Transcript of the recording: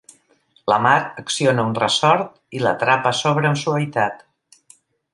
La Mar acciona un ressort i la trapa s'obre amb suavitat.